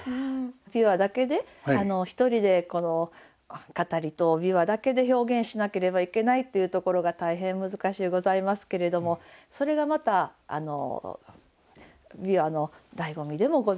琵琶だけで一人で語りと琵琶だけで表現しなければいけないっていうところが大変難しゅうございますけれどもそれがまた琵琶の醍醐味でもございます。